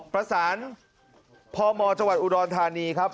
ประสานพมจอุดรธานีครับ